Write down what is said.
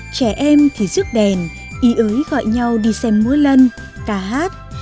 trẻ em thì rước đèn ý ới gọi nhau đi xem múa lân ca hát